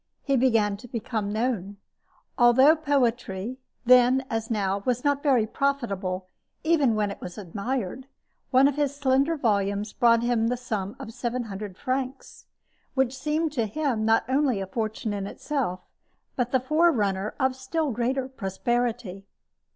He began to become known. Although poetry, then as now, was not very profitable even when it was admired, one of his slender volumes brought him the sum of seven hundred francs, which seemed to him not only a fortune in itself, but the forerunner of still greater prosperity.